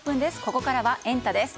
ここからはエンタ！です。